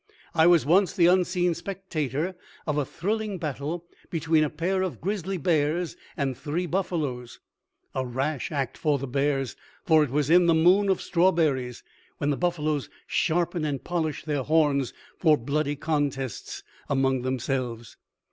I was once the unseen spectator of a thrilling battle between a pair of grizzly bears and three buffaloes a rash act for the bears, for it was in the moon of strawberries, when the buffaloes sharpen and polish their horns for bloody contests among themselves.